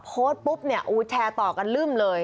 โพสต์ปุ๊บแทรกต่อกันลืมเลย